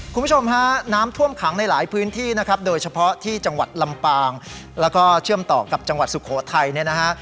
คุณผู้ชมฮะน้ำท่วมขังในหลายพื้นที่นะครับโดยเฉพาะที่จังหวัดลำปางแล้วก็เชื่อมต่อกับจังหวัดสุโขทัยเนี่ยนะฮะ